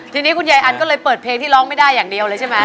ทีนี้คุณยายอันก็เลยเปิดเพลงที่ร้องไม่ได้อย่างเดียวเลยใช่ไหม